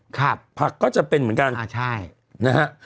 ผักก็จะเป็นเหมือนกันอ่าใช่นะฮะ